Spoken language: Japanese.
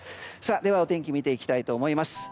では、お天気を見ていきたいと思います。